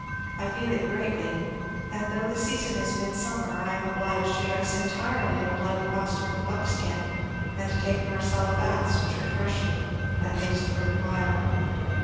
I feel it greatly; and though the season is midsummer, I am obliged to dress entirely in a light costume of buckskin, and take Marsalla baths, which refresh me, at least for the while.